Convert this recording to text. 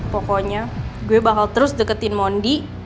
pokoknya gue bakal terus deketin mondi